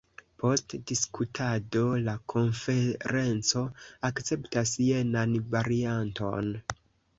Post diskutado la konferenco akceptas jenan varianton.